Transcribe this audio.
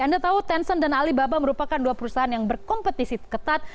anda tahu tencent dan alibaba merupakan dua perusahaan yang berkompetisi ketat